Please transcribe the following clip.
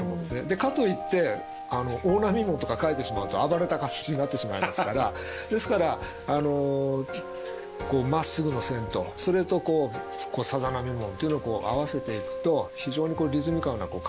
かといって「大波紋」とか描いてしまうと暴れた感じになってしまいますからですからこうまっすぐの線とそれとこうさざ波紋っていうのを合わせていくと非常にリズミカルな感じになりますし。